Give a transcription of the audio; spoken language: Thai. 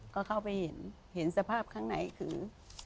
ก็เข้าไปเห็นเห็นสภาพข้างในคือ